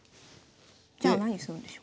じゃあ何するんでしょう？